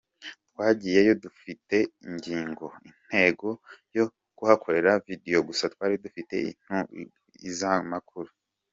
Twagiyeyo dufite intego yo kuhakorera video gusa twari dufite intugunda y’itangazamakuru.